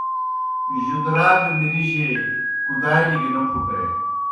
جُدرا گہ مِرِجیئے، کُدالیْ گہ نہ پُھٹے